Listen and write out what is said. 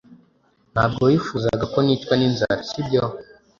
Ntabwo wifuzaga ko nicwa n'inzara, sibyo?